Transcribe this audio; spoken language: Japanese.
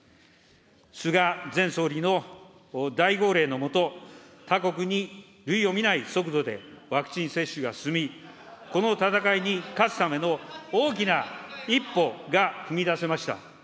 菅前総理の大号令の下、他国に類を見ない速度でワクチン接種が進み、この闘いに勝つための大きな一歩が踏み出せました。